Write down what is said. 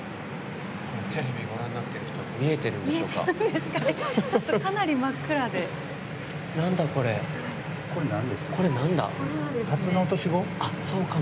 テレビでご覧になってる人見えてるんでしょうか。